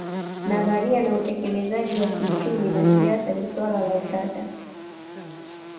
Nadharia na utekelezi wa kiuchumi na siasa ni swala la utata